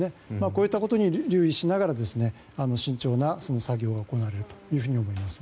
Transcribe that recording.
こういったことに留意しながら慎重な作業が行われると思います。